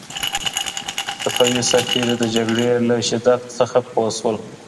صفوي سرتېري د جګړې له شدت نه پوه شول.